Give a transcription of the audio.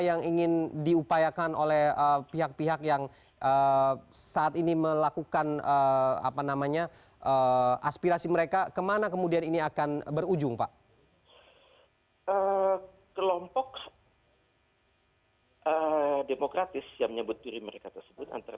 yang satu hongkong itu hidup lama di bawah china kemudian langsung terjadi benturan asimilasi